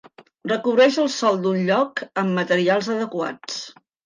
Recobreix el sòl d'un lloc amb materials adequats.